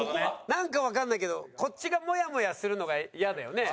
なんかわかんないけどこっちがモヤモヤするのがイヤだよね。